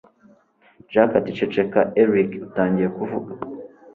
jack ati ceceka erick utangiye kuvuga